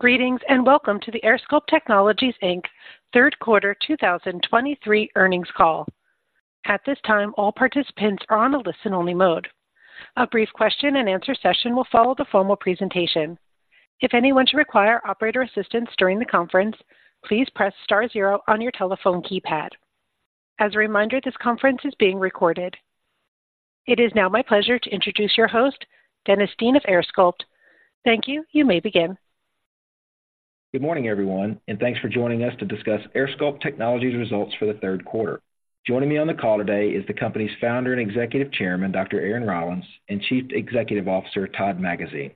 Greetings, and welcome to the AirSculpt Technologies, Inc. third quarter 2023 earnings call. At this time, all participants are on a listen-only mode. A brief question-and-answer session will follow the formal presentation. If anyone should require operator assistance during the conference, please press star zero on your telephone keypad. As a reminder, this conference is being recorded. It is now my pleasure to introduce your host, Dennis Dean of AirSculpt. Thank you. You may begin. Good morning, everyone, and thanks for joining us to discuss AirSculpt Technologies' results for the third quarter. Joining me on the call today is the company's founder and Executive Chairman, Dr. Aaron Rollins, and Chief Executive Officer, Todd Magazine.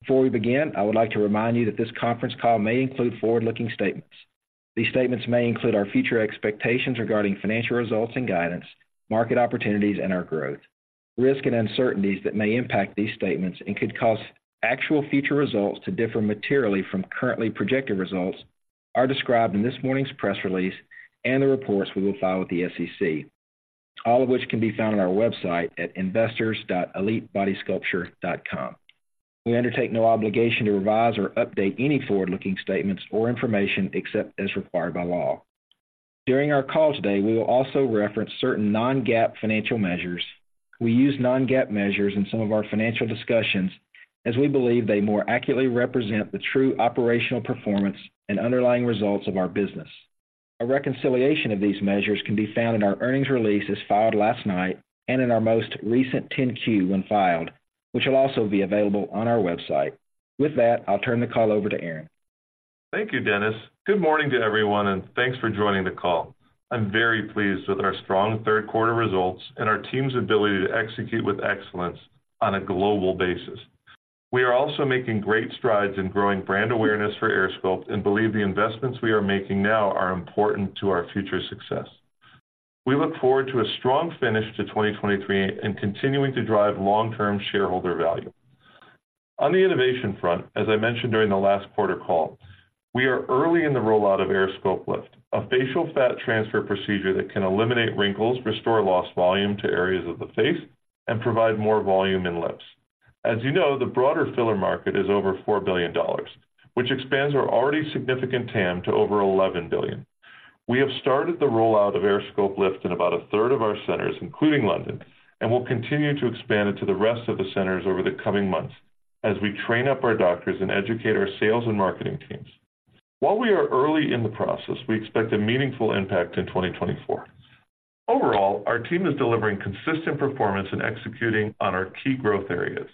Before we begin, I would like to remind you that this conference call may include forward-looking statements. These statements may include our future expectations regarding financial results and guidance, market opportunities, and our growth. Risk and uncertainties that may impact these statements and could cause actual future results to differ materially from currently projected results are described in this morning's press release and the reports we will file with the SEC, all of which can be found on our website at investors.elitebodysculpture.com. We undertake no obligation to revise or update any forward-looking statements or information except as required by law. During our call today, we will also reference certain non-GAAP financial measures. We use non-GAAP measures in some of our financial discussions, as we believe they more accurately represent the true operational performance and underlying results of our business. A reconciliation of these measures can be found in our earnings release, as filed last night, and in our most recent 10-Q, when filed, which will also be available on our website. With that, I'll turn the call over to Aaron. Thank you, Dennis. Good morning to everyone, and thanks for joining the call. I'm very pleased with our strong third quarter results and our team's ability to execute with excellence on a global basis. We are also making great strides in growing brand awareness for AirSculpt and believe the investments we are making now are important to our future success. We look forward to a strong finish to 2023 and continuing to drive long-term shareholder value. On the innovation front, as I mentioned during the last quarter call, we are early in the rollout of AirSculpt Lift, a facial fat transfer procedure that can eliminate wrinkles, restore lost volume to areas of the face, and provide more volume in lips. As you know, the broader filler market is over $4 billion, which expands our already significant TAM to over $11 billion. We have started the rollout of AirSculpt Lift in about a third of our centers, including London, and will continue to expand it to the rest of the centers over the coming months as we train up our doctors and educate our sales and marketing teams. While we are early in the process, we expect a meaningful impact in 2024. Overall, our team is delivering consistent performance and executing on our key growth areas.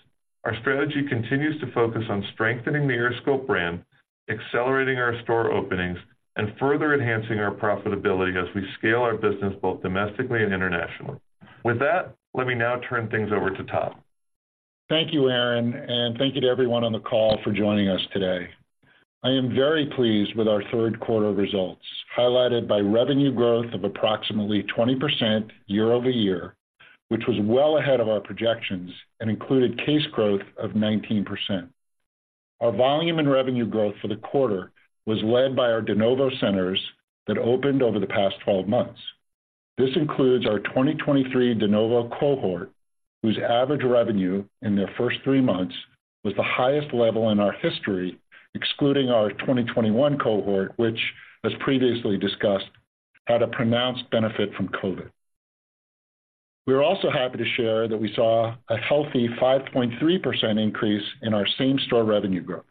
Our strategy continues to focus on strengthening the AirSculpt brand, accelerating our store openings, and further enhancing our profitability as we scale our business both domestically and internationally. With that, let me now turn things over to Todd. Thank you, Aaron, and thank you to everyone on the call for joining us today. I am very pleased with our third quarter results, highlighted by revenue growth of approximately 20% year-over-year, which was well ahead of our projections and included case growth of 19%. Our volume and revenue growth for the quarter was led by our de novo centers that opened over the past 12 months. This includes our 2023 de novo cohort, whose average revenue in their first 3 months was the highest level in our history, excluding our 2021 cohort, which, as previously discussed, had a pronounced benefit from COVID. We are also happy to share that we saw a healthy 5.3% increase in our same-store revenue growth.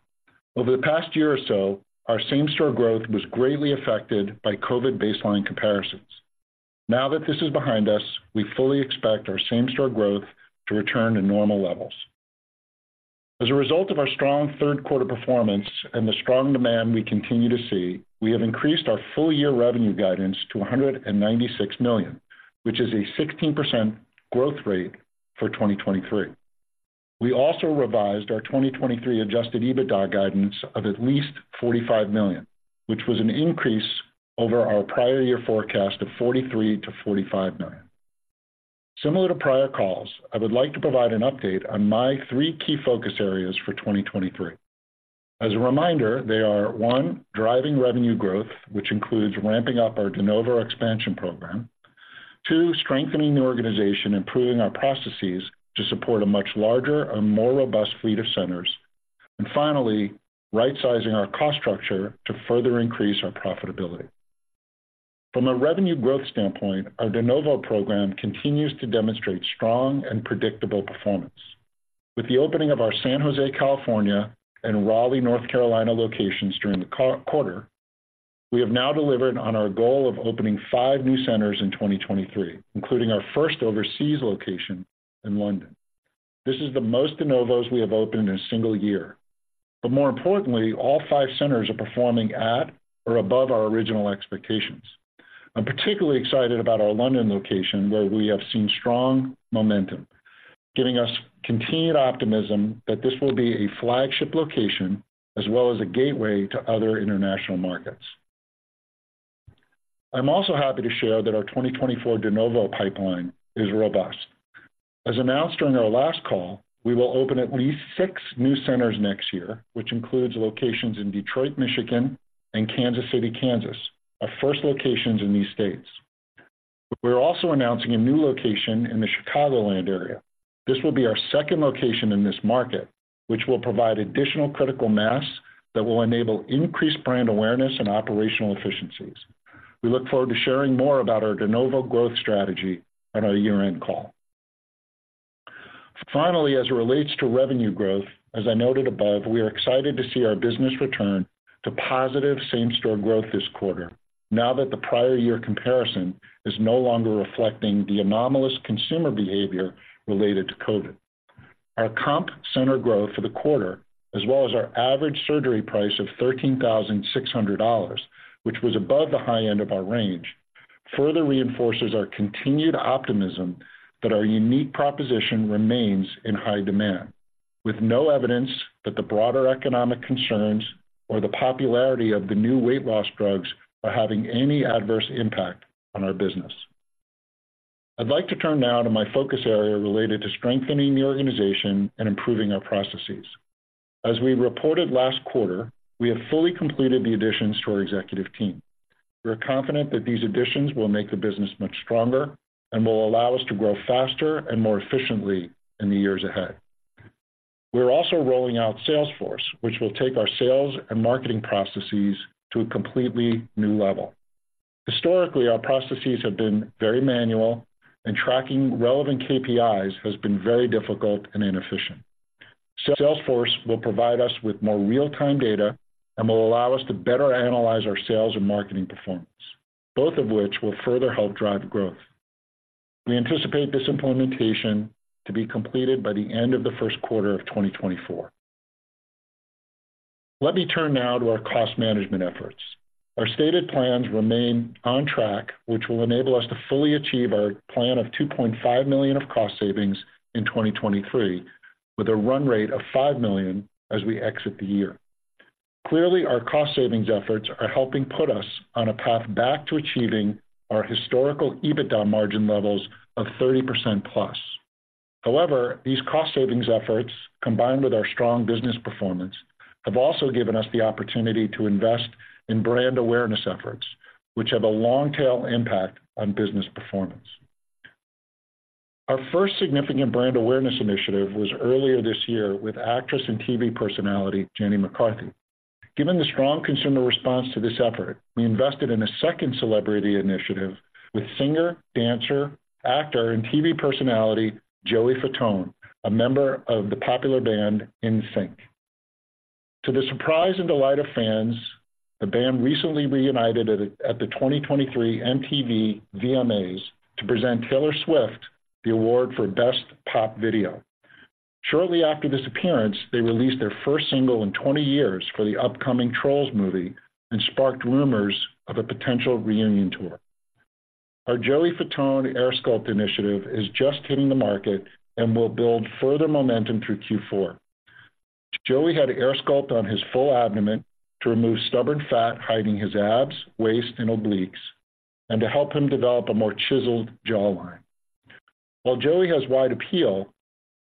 Over the past year or so, our same-store growth was greatly affected by COVID baseline comparisons. Now that this is behind us, we fully expect our same-store growth to return to normal levels. As a result of our strong third quarter performance and the strong demand we continue to see, we have increased our full-year revenue guidance to $196 million, which is a 16% growth rate for 2023. We also revised our 2023 adjusted EBITDA guidance of at least $45 million, which was an increase over our prior year forecast of $43 million-$45 million. Similar to prior calls, I would like to provide an update on my three key focus areas for 2023. As a reminder, they are, one, driving revenue growth, which includes ramping up our de novo expansion program. Two, strengthening the organization and improving our processes to support a much larger and more robust fleet of centers. Finally, right sizing our cost structure to further increase our profitability. From a revenue growth standpoint, our de novo program continues to demonstrate strong and predictable performance. With the opening of our San Jose, California, and Raleigh, North Carolina, locations during the quarter, we have now delivered on our goal of opening 5 new centers in 2023, including our first overseas location in London. This is the most de novos we have opened in a single year, but more importantly, all 5 centers are performing at or above our original expectations. I'm particularly excited about our London location, where we have seen strong momentum, giving us continued optimism that this will be a flagship location as well as a gateway to other international markets. I'm also happy to share that our 2024 de novo pipeline is robust. As announced during our last call, we will open at least six new centers next year, which includes locations in Detroit, Michigan, and Kansas City, Kansas, our first locations in these states. We're also announcing a new location in the Chicagoland area. This will be our second location in this market, which will provide additional critical mass that will enable increased brand awareness and operational efficiencies. We look forward to sharing more about our de novo growth strategy on our year-end call. Finally, as it relates to revenue growth, as I noted above, we are excited to see our business return to positive same-store growth this quarter now that the prior year comparison is no longer reflecting the anomalous consumer behavior related to COVID. Our comp center growth for the quarter, as well as our average surgery price of $13,600, which was above the high end of our range, further reinforces our continued optimism that our unique proposition remains in high demand, with no evidence that the broader economic concerns or the popularity of the new weight loss drugs are having any adverse impact on our business. I'd like to turn now to my focus area related to strengthening the organization and improving our processes. As we reported last quarter, we have fully completed the additions to our executive team. We are confident that these additions will make the business much stronger and will allow us to grow faster and more efficiently in the years ahead. We're also rolling out Salesforce, which will take our sales and marketing processes to a completely new level. Historically, our processes have been very manual, and tracking relevant KPIs has been very difficult and inefficient. Salesforce will provide us with more real-time data and will allow us to better analyze our sales and marketing performance, both of which will further help drive growth. We anticipate this implementation to be completed by the end of the first quarter of 2024. Let me turn now to our cost management efforts. Our stated plans remain on track, which will enable us to fully achieve our plan of $2.5 million of cost savings in 2023, with a run rate of $5 million as we exit the year. Clearly, our cost savings efforts are helping put us on a path back to achieving our historical EBITDA margin levels of 30%+. However, these cost savings efforts, combined with our strong business performance, have also given us the opportunity to invest in brand awareness efforts, which have a long tail impact on business performance. Our first significant brand awareness initiative was earlier this year with actress and TV personality Jenny McCarthy. Given the strong consumer response to this effort, we invested in a second celebrity initiative with singer, dancer, actor, and TV personality Joey Fatone, a member of the popular band NSYNC. To the surprise and delight of fans, the band recently reunited at the 2023 MTV VMAs to present Taylor Swift the award for Best Pop Video. Shortly after this appearance, they released their first single in 20 years for the upcoming Trolls movie and sparked rumors of a potential reunion tour. Our Joey Fatone AirSculpt initiative is just hitting the market and will build further momentum through Q4. Joey had AirSculpt on his full abdomen to remove stubborn fat, hiding his abs, waist, and obliques, and to help him develop a more chiseled jawline. While Joey has wide appeal,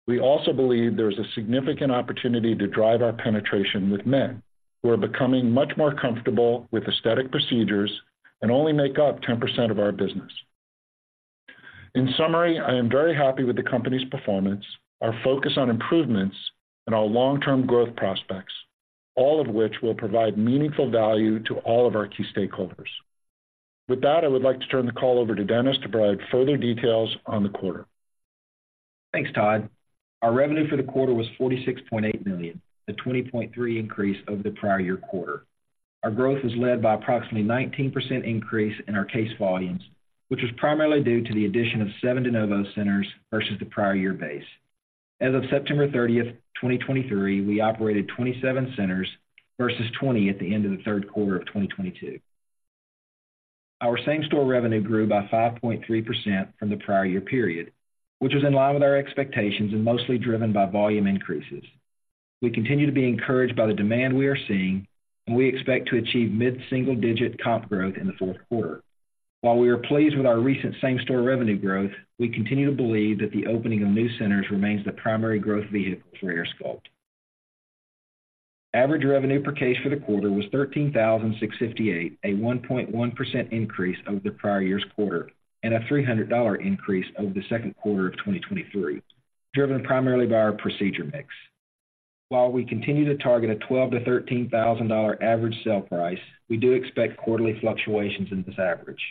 we also believe there's a significant opportunity to drive our penetration with men, who are becoming much more comfortable with aesthetic procedures and only make up 10% of our business. In summary, I am very happy with the company's performance, our focus on improvements, and our long-term growth prospects, all of which will provide meaningful value to all of our key stakeholders. With that, I would like to turn the call over to Dennis to provide further details on the quarter. Thanks, Todd. Our revenue for the quarter was $46.8 million, a 20.3% increase over the prior year quarter. Our growth was led by approximately 19% increase in our case volumes, which was primarily due to the addition of seven de novo centers versus the prior year base. As of September 30, 2023, we operated 27 centers, versus 20 at the end of the third quarter of 2022. Our same-store revenue grew by 5.3% from the prior year period, which was in line with our expectations and mostly driven by volume increases. We continue to be encouraged by the demand we are seeing, and we expect to achieve mid-single-digit comp growth in the fourth quarter. While we are pleased with our recent same-store revenue growth, we continue to believe that the opening of new centers remains the primary growth vehicle for AirSculpt. Average revenue per case for the quarter was $13,658, a 1.1% increase over the prior year's quarter, and a $300 increase over the second quarter of 2023, driven primarily by our procedure mix. While we continue to target a $12,000-$13,000 average sale price, we do expect quarterly fluctuations in this average.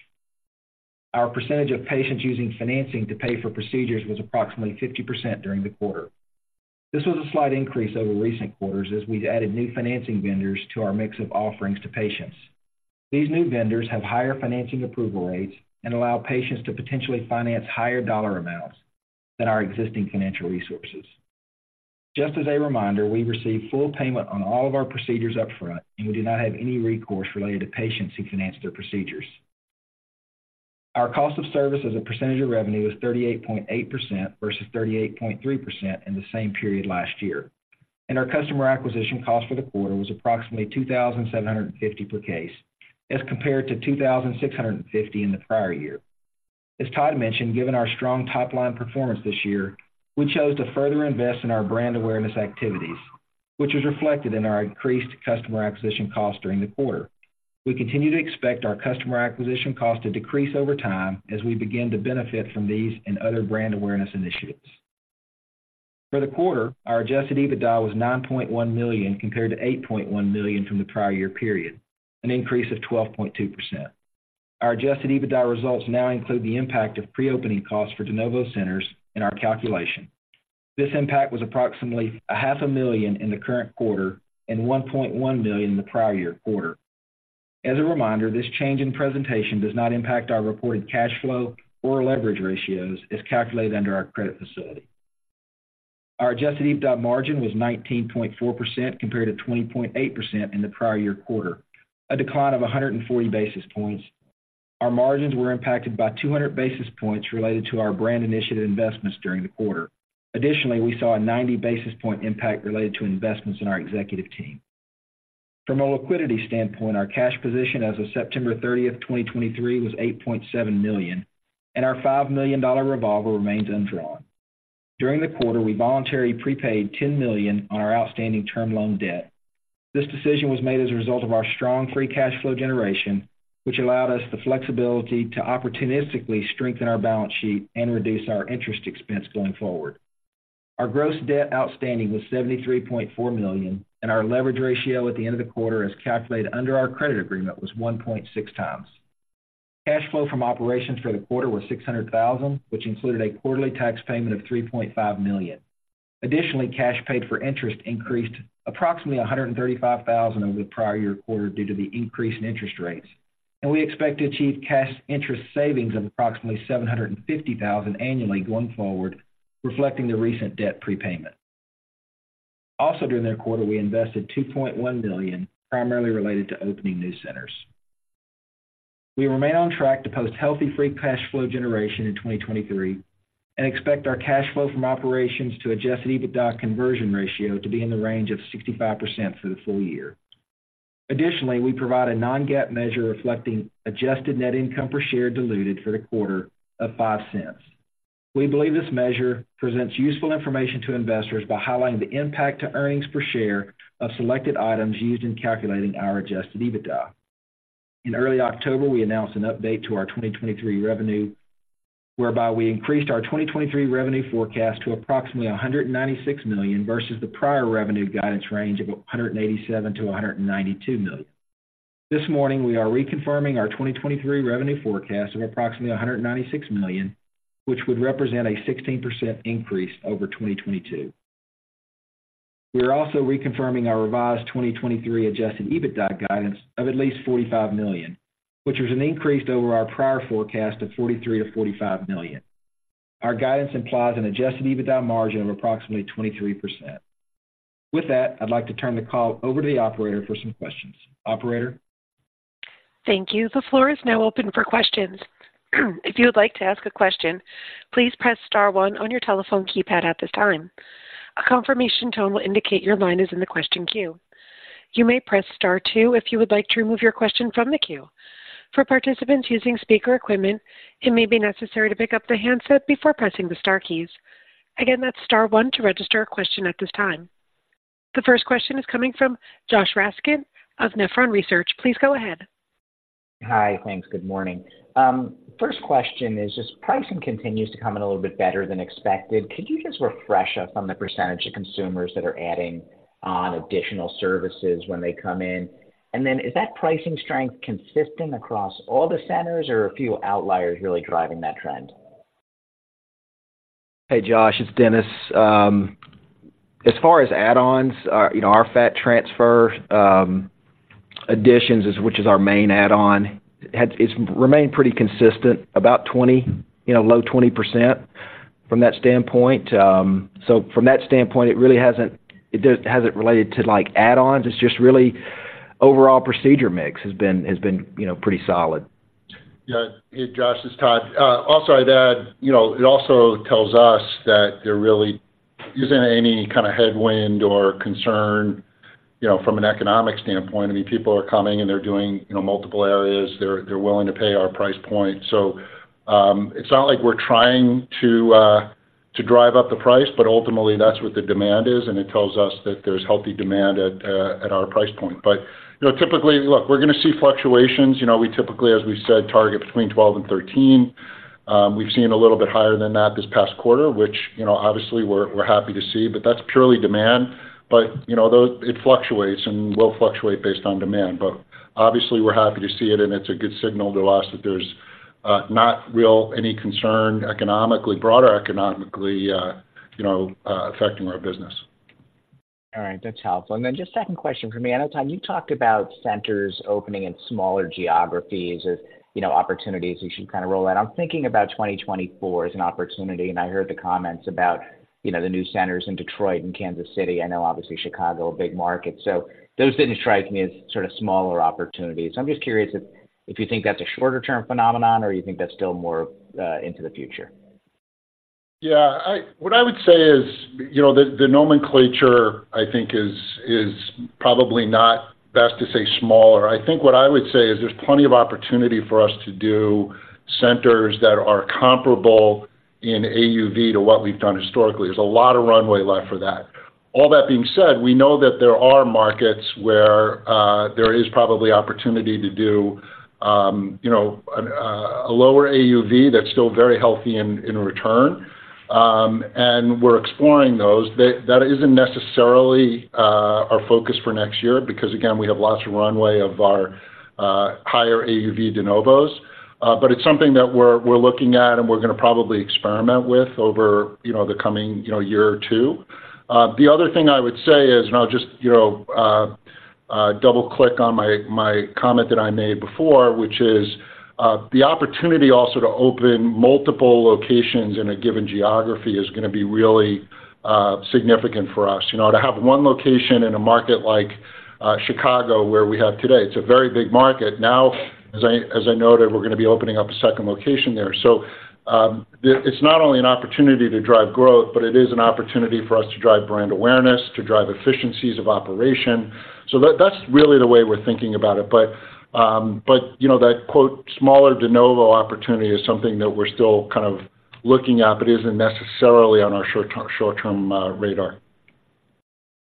Our percentage of patients using financing to pay for procedures was approximately 50% during the quarter. This was a slight increase over recent quarters as we've added new financing vendors to our mix of offerings to patients. These new vendors have higher financing approval rates and allow patients to potentially finance higher dollar amounts than our existing financial resources. Just as a reminder, we receive full payment on all of our procedures upfront, and we do not have any recourse related to patients who finance their procedures. Our cost of service as a percentage of revenue was 38.8% versus 38.3% in the same period last year, and our customer acquisition cost for the quarter was approximately $2,750 per case, as compared to $2,650 in the prior year. As Todd mentioned, given our strong top-line performance this year, we chose to further invest in our brand awareness activities.... which is reflected in our increased customer acquisition costs during the quarter. We continue to expect our customer acquisition cost to decrease over time as we begin to benefit from these and other brand awareness initiatives. For the quarter, our adjusted EBITDA was $9.1 million, compared to $8.1 million from the prior year period, an increase of 12.2%. Our adjusted EBITDA results now include the impact of pre-opening costs for de novo centers in our calculation. This impact was approximately $0.5 million in the current quarter and $1.1 million in the prior year quarter. As a reminder, this change in presentation does not impact our reported cash flow or leverage ratios as calculated under our credit facility. Our adjusted EBITDA margin was 19.4%, compared to 20.8% in the prior year quarter, a decline of 140 basis points. Our margins were impacted by 200 basis points related to our brand initiative investments during the quarter. Additionally, we saw a 90 basis point impact related to investments in our executive team. From a liquidity standpoint, our cash position as of September 30, 2023, was $8.7 million, and our $5 million revolver remains undrawn. During the quarter, we voluntarily prepaid $10 million on our outstanding term loan debt. This decision was made as a result of our strong free cash flow generation, which allowed us the flexibility to opportunistically strengthen our balance sheet and reduce our interest expense going forward. Our gross debt outstanding was $73.4 million, and our leverage ratio at the end of the quarter, as calculated under our credit agreement, was 1.6 times. Cash flow from operations for the quarter was $600,000, which included a quarterly tax payment of $3.5 million. Additionally, cash paid for interest increased approximately $135,000 over the prior year quarter due to the increase in interest rates, and we expect to achieve cash interest savings of approximately $750,000 annually going forward, reflecting the recent debt prepayment. Also, during the quarter, we invested $2.1 million, primarily related to opening new centers. We remain on track to post healthy free cash flow generation in 2023 and expect our cash flow from operations to adjusted EBITDA conversion ratio to be in the range of 65% through the full year. Additionally, we provide a non-GAAP measure reflecting adjusted net income per share diluted for the quarter of $0.05. We believe this measure presents useful information to investors by highlighting the impact to earnings per share of selected items used in calculating our Adjusted EBITDA. In early October, we announced an update to our 2023 revenue, whereby we increased our 2023 revenue forecast to approximately $196 million versus the prior revenue guidance range of $187 million-$192 million. This morning, we are reconfirming our 2023 revenue forecast of approximately $196 million, which would represent a 16% increase over 2022. We are also reconfirming our revised 2023 Adjusted EBITDA guidance of at least $45 million, which was an increase over our prior forecast of $43 million-$45 million. Our guidance implies an Adjusted EBITDA margin of approximately 23%. With that, I'd like to turn the call over to the operator for some questions. Operator? Thank you. The floor is now open for questions. If you would like to ask a question, please press star one on your telephone keypad at this time. A confirmation tone will indicate your line is in the question queue. You may press Star two if you would like to remove your question from the queue. For participants using speaker equipment, it may be necessary to pick up the handset before pressing the star keys. Again, that's star one to register a question at this time. The first question is coming from Josh Raskin of Nephron Research. Please go ahead. Hi. Thanks. Good morning. First question is, as pricing continues to come in a little bit better than expected, could you just refresh us on the percentage of consumers that are adding on additional services when they come in? And then is that pricing strength consistent across all the centers or a few outliers really driving that trend? Hey, Josh, it's Dennis. As far as add-ons, you know, our fat transfer additions, which is our main add-on, has it's remained pretty consistent, about 20, you know, low 20% from that standpoint. So from that standpoint, it really hasn't, it does hasn't related to, like, add-ons. It's just really overall procedure mix has been, has been, you know, pretty solid. Yeah. Hey, Josh, it's Todd. Also I'd add, you know, it also tells us that there really isn't any kind of headwind or concern, you know, from an economic standpoint. I mean, people are coming and they're doing, you know, multiple areas. They're, they're willing to pay our price point. So, it's not like we're trying to drive up the price, but ultimately, that's what the demand is, and it tells us that there's healthy demand at our price point. But, you know, typically, look, we're gonna see fluctuations. You know, we typically, as we've said, target between 12 and 13. We've seen a little bit higher than that this past quarter, which, you know, obviously we're, we're happy to see, but that's purely demand. But, you know, though, it fluctuates and will fluctuate based on demand. But obviously, we're happy to see it, and it's a good signal to us that there's not really any concern economically, broader economically, you know, affecting our business. All right. That's helpful. And then just second question for me. I know, Todd, you talked about centers opening in smaller geographies as, you know, opportunities you should kind of roll out. I'm thinking about 2024 as an opportunity, and I heard the comments about, you know, the new centers in Detroit and Kansas City. I know obviously Chicago, a big market. So those didn't strike me as sort of smaller opportunities. I'm just curious if, if you think that's a shorter term phenomenon or you think that's still more into the future. Yeah, what I would say is, you know, the nomenclature, I think is probably not best to say smaller. I think what I would say is there's plenty of opportunity for us to do centers that are comparable in AUV to what we've done historically. There's a lot of runway left for that. All that being said, we know that there are markets where there is probably opportunity to do a lower AUV that's still very healthy in return, and we're exploring those. That isn't necessarily our focus for next year, because, again, we have lots of runway of our higher AUV de novos. But it's something that we're looking at, and we're gonna probably experiment with over, you know, the coming year or two. The other thing I would say is, and I'll just, you know, double click on my comment that I made before, which is, the opportunity also to open multiple locations in a given geography is gonna be really, significant for us. You know, to have one location in a market like, Chicago, where we have today, it's a very big market. Now, as I noted, we're gonna be opening up a second location there. So, it's not only an opportunity to drive growth, but it is an opportunity for us to drive brand awareness, to drive efficiencies of operation. So that's really the way we're thinking about it. But, you know, that, quote, "smaller de novo opportunity" is something that we're still kind of looking at, but isn't necessarily on our short-term radar.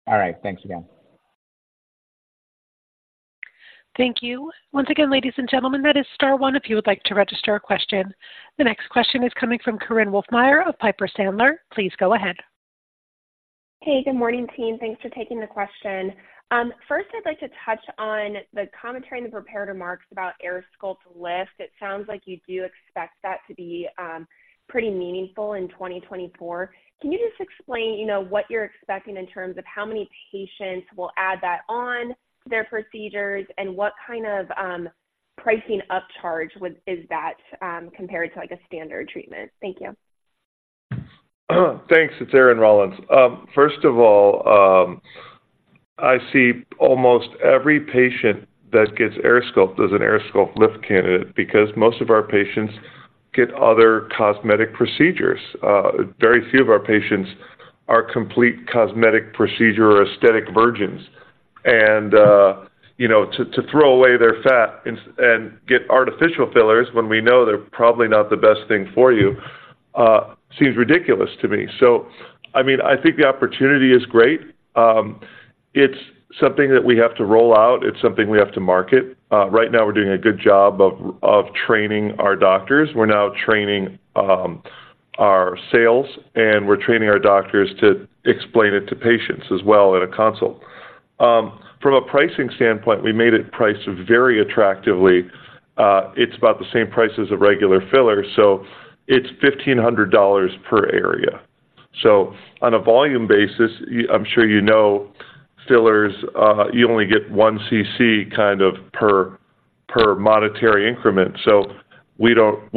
All right. Thanks again. Thank you. Once again, ladies and gentlemen, that is star one if you would like to register a question. The next question is coming from Korinne Wolfmeyer of Piper Sandler. Please go ahead. Hey, good morning, team. Thanks for taking the question. First, I'd like to touch on the commentary and the prepared remarks about AirSculpt Lift. It sounds like you do expect that to be pretty meaningful in 2024. Can you just explain, you know, what you're expecting in terms of how many patients will add that on to their procedures, and what kind of pricing upcharge is that compared to, like, a standard treatment? Thank you. Thanks. It's Aaron Rollins. First of all, I see almost every patient that gets AirSculpt as an AirSculpt Lift candidate, because most of our patients get other cosmetic procedures. Very few of our patients are complete cosmetic procedure or aesthetic virgins. And, you know, to throw away their fat and get artificial fillers when we know they're probably not the best thing for you, seems ridiculous to me. So, I mean, I think the opportunity is great. It's something that we have to roll out. It's something we have to market. Right now, we're doing a good job of training our doctors. We're now training our sales, and we're training our doctors to explain it to patients as well at a consult. From a pricing standpoint, we made it priced very attractively. It's about the same price as a regular filler, so it's $1,500 per area. So on a volume basis, I'm sure you know, fillers, you only get 1 CC kind of per, per monetary increment, so we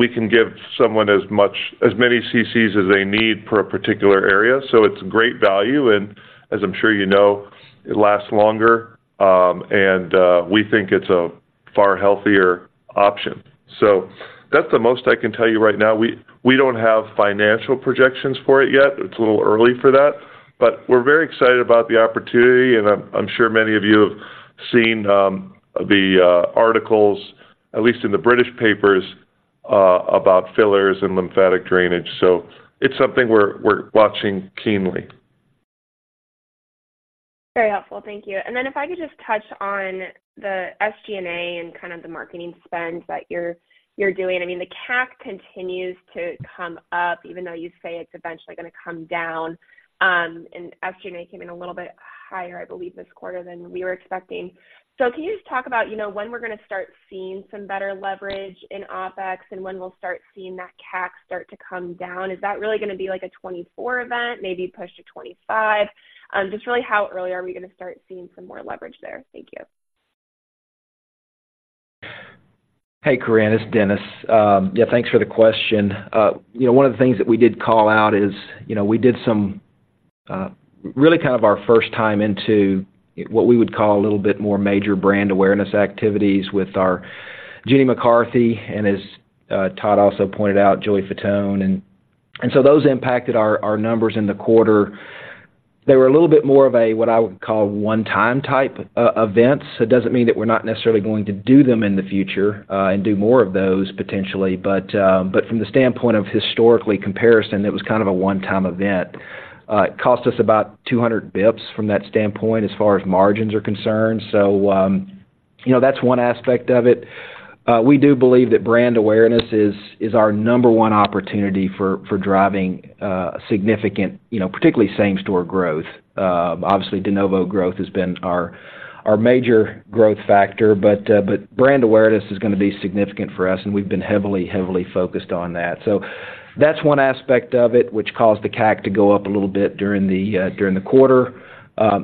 can give someone as much, as many CCs as they need per a particular area, so it's great value, and as I'm sure you know, it lasts longer, and we think it's a far healthier option. So that's the most I can tell you right now. We don't have financial projections for it yet. It's a little early for that, but we're very excited about the opportunity, and I'm sure many of you have seen the articles, at least in the British papers, about fillers and lymphatic drainage. So it's something we're watching keenly. Very helpful. Thank you. Then if I could just touch on the SG&A and kind of the marketing spend that you're doing. I mean, the CAC continues to come up, even though you say it's eventually gonna come down. And SG&A came in a little bit higher, I believe, this quarter than we were expecting. So can you just talk about, you know, when we're gonna start seeing some better leverage in OpEx, and when we'll start seeing that CAC start to come down? Is that really gonna be, like, a 2024 event, maybe push to 2025? Just really, how early are we gonna start seeing some more leverage there? Thank you. Hey, Corinne, it's Dennis. Yeah, thanks for the question. You know, one of the things that we did call out is, you know, we did some really kind of our first time into what we would call a little bit more major brand awareness activities with our Jenny McCarthy and as Todd also pointed out, Joey Fatone, and so those impacted our numbers in the quarter. They were a little bit more of a, what I would call, one-time type of event. So it doesn't mean that we're not necessarily going to do them in the future, and do more of those potentially, but from the standpoint of historical comparison, it was kind of a one-time event. It cost us about 200 basis points from that standpoint, as far as margins are concerned. So, you know, that's one aspect of it. We do believe that brand awareness is our number one opportunity for driving significant, you know, particularly same-store growth. Obviously, de novo growth has been our major growth factor, but brand awareness is gonna be significant for us, and we've been heavily, heavily focused on that. So that's one aspect of it, which caused the CAC to go up a little bit during the quarter.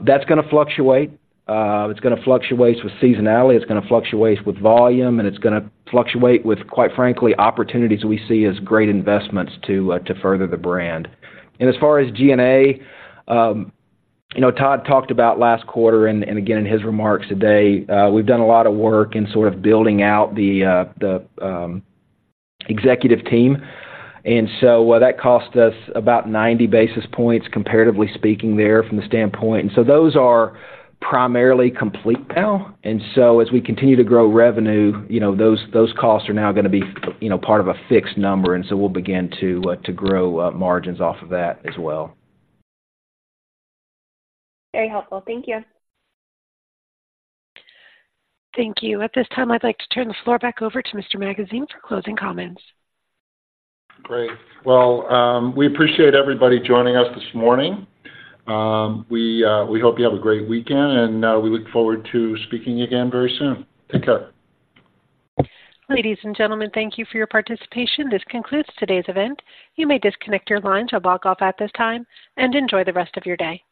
That's gonna fluctuate. It's gonna fluctuate with seasonality, it's gonna fluctuate with volume, and it's gonna fluctuate with, quite frankly, opportunities we see as great investments to further the brand. As far as G&A, you know, Todd talked about last quarter and again, in his remarks today, we've done a lot of work in sort of building out the executive team, and so, well, that cost us about 90 basis points, comparatively speaking there from the standpoint. So those are primarily complete now, and so as we continue to grow revenue, you know, those costs are now gonna be, you know, part of a fixed number, and so we'll begin to grow margins off of that as well. Very helpful. Thank you. Thank you. At this time, I'd like to turn the floor back over to Mr. Magazine for closing comments. Great. Well, we appreciate everybody joining us this morning. We hope you have a great weekend, and we look forward to speaking again very soon. Take care. Ladies and gentlemen, thank you for your participation. This concludes today's event. You may disconnect your lines or log off at this time, and enjoy the rest of your day.